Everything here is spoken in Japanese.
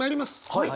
はい。